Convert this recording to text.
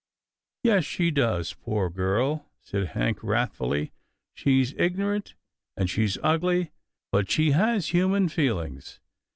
" Yes she does, poor girl," said Hank wrathfuUy. " She's ignorant, and she's ugly, but she has human feelings.